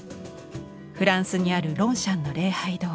フランスにある「ロンシャンの礼拝堂」。